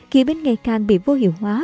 kỵ binh ngày càng bị vô hiệu hóa